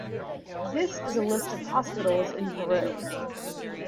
This is a list of hospitals in Peru.